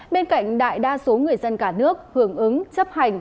bên cạnh đại đa số người dân cả nước hưởng ứng chấp hành